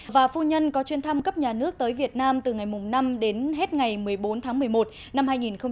và phu nhân có chuyên thăm cấp nhà nước tới việt nam từ ngày năm đến hết ngày một mươi bốn tháng một mươi một năm hai nghìn một mươi chín